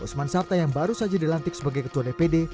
usman sabta yang baru saja dilantik sebagai ketua dpd